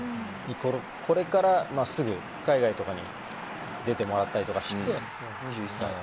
これから、すぐ海外とかに出てもらって、２１歳。